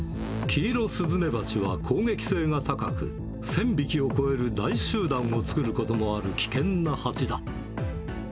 キイロスズメバチは攻撃性が高く、１０００匹を超える大集団を作ることもある危険なハチだ。